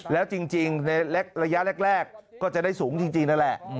แล้วจริงในระยะแรกก็จะได้สูงจริงนั่นแหละ